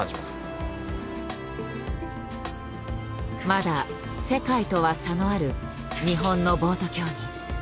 まだ世界とは差のある日本のボート競技。